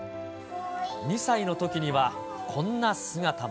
２歳のときには、こんな姿も。